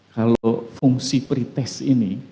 kalau fungsi perites ini